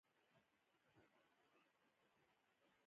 ګڼ شمېر قومونه په دې سیمه کې مېشت دي.